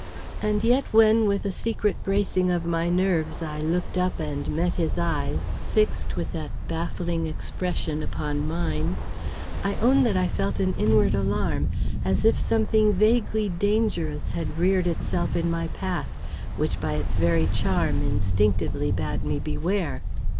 And yet when with a secret bracing of my nerves I looked up and met his eyes fixed with that baffling expression upon mine, I own that I felt an inward alarm, as if something vaguely dangerous had reared itself in my path, which by its very charm instinctively bade me beware.